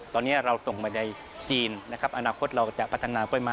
ตอนนี้เราส่งมาในจีนนะครับอนาคตเราจะพัฒนากล้วยไม้